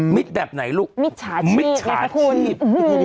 แบบไหนลูกมิจฉาชีพ